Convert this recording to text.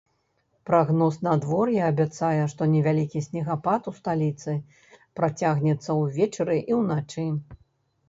Прагноз надвор'я абяцае, што невялікі снегапад у сталіцы працягнецца ўвечары і ўначы.